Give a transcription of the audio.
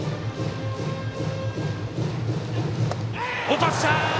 落とした！